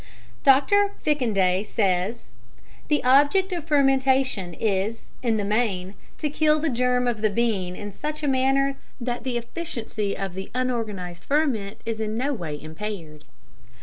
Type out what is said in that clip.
Dr. Fickendey says: "The object of fermentation is, in the main, to kill the germ of the bean in such a manner that the efficiency of the unorganised ferment is in no way impaired."